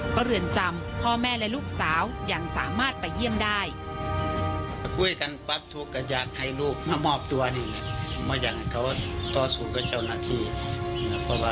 เพราะเรื่องจำพ่อแม่และลูกสาว